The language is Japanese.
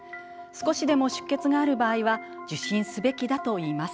少しでも出血がある場合は受診すべきだといいます。